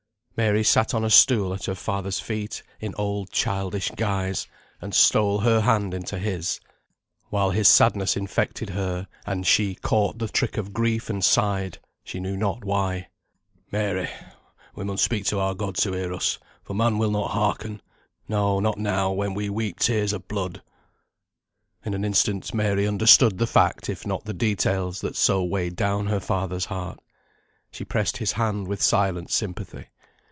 Mary sat on a stool at her father's feet in old childish guise, and stole her hand into his, while his sadness infected her, and she "caught the trick of grief, and sighed," she knew not why. "Mary, we mun speak to our God to hear us, for man will not hearken; no, not now, when we weep tears o' blood." In an instant Mary understood the fact, if not the details, that so weighed down her father's heart. She pressed his hand with silent sympathy.